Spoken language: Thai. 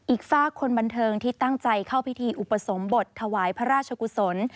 ฝากคนบันเทิงที่ตั้งใจเข้าพิธีอุปสมบทถวายพระราชกุศล